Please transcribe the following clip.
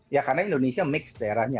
ya karena indonesia mix daerahnya